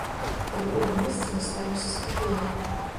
Да любога месца мы ставімся спакойна.